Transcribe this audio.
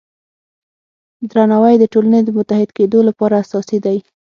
درناوی د ټولنې د متحد کیدو لپاره اساسي دی.